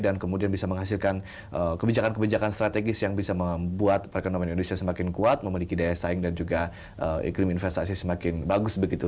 dan kemudian bisa menghasilkan kebijakan kebijakan strategis yang bisa membuat perekonomian indonesia semakin kuat memiliki daya saing dan juga ekonomi investasi semakin bagus begitu